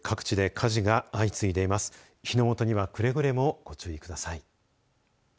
火の元にはくれぐれもご注意ください。